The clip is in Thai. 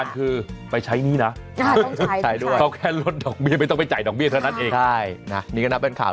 เรายินดีด้วยค่า